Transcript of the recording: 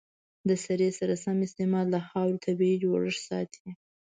د سرې سم استعمال د خاورې طبیعي جوړښت ساتي.